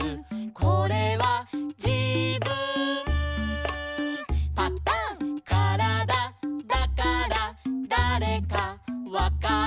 「これはじぶんパタン」「からだだからだれかわかる」